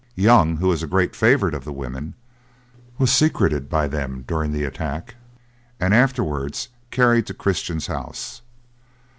Young, who was a great favourite of the women, was secreted by them during the attack, and afterwards carried to Christian's house.